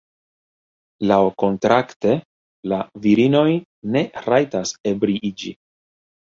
Laŭkontrakte la virinoj ne rajtas ebriiĝi.